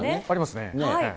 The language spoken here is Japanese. ありますね。